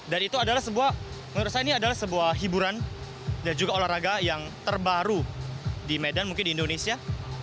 dan itu adalah sebuah menurut saya ini adalah sebuah hiburan dan juga olahraga yang terbaru di medan mungkin di indonesia